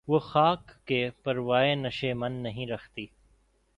وہ خاک کہ پروائے نشیمن نہیں رکھتی